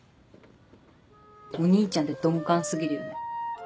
お兄ちゃんって鈍感過ぎるよね。